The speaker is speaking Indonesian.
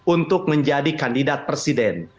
untuk menjadi kandidat presiden